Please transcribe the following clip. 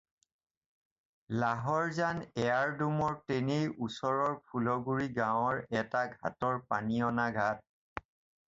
লাহৰ-জান এয়াৰড্ৰুমৰ তেনেই ওচৰৰ ফুলগুৰি গাঁৱৰ এটা ঘাটৰ পানী-অনা ঘাট।